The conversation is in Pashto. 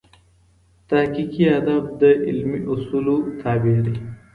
تحقیقي ادب د علمي اصولو تابع وي.